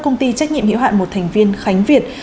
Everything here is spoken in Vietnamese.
công ty trách nhiệm hiệu hạn một thành viên khánh việt